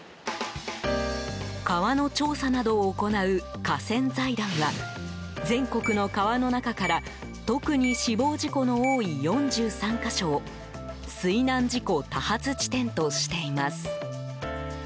川の調査などを行う河川財団は全国の川の中から特に死亡事故の多い４３か所を水難事故多発地点としています。